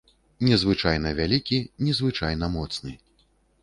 Незвычайна вялікі, незвычайна моцны.